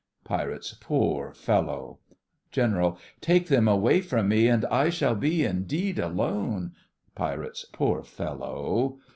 PIRATES: Poor fellow! GENERAL: Take them away from me, And I shall be indeed alone. PIRATES: Poor fellow!